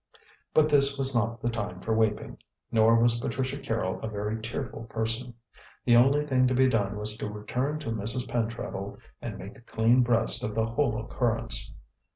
But this was not the time for weeping, nor was Patricia Carrol a very tearful person. The only thing to be done was to return to Mrs. Pentreddle and make a clean breast of the whole occurrence.